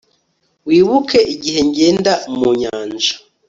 wibuke igihe ngenda mu nyanja